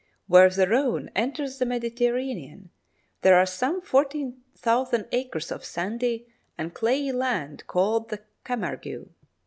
Where the Rhone enters the Mediterranean, there are some 40,000 acres of sandy and clayey land called the Camargue.